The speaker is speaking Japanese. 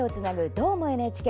「どーも、ＮＨＫ」。